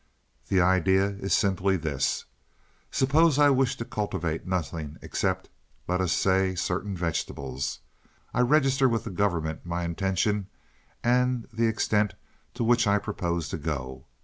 "The idea is simply this: Suppose I wish to cultivate nothing except, let us say, certain vegetables. I register with the government my intention and the extent to which I propose to go.